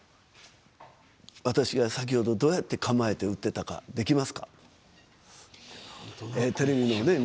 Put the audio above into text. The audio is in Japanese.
私が先ほどどうやって構えて打っていたか覚えていますか。